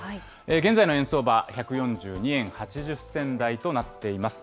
現在の円相場、１４２円８０銭台となっています。